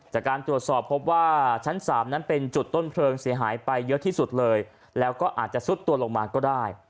จากการตรวจสอบพบว่าชั้น๓นั้นเป็นจุดต้นเพลิงเสียหายไปเยอะที่สุดเลยแล้วก็อาจจะซุดตัวลงมาก็ได้